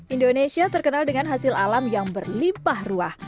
indonesia terkenal dengan hasil alam yang berlimpah ruah